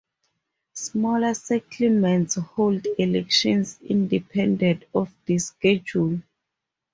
Smaller settlements hold elections independent of this schedule.